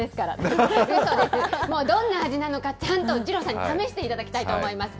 うそです、もうどんな味なのか、ちゃんと二郎さんに試していただきたいと思います。